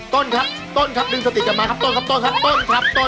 ต้นครับ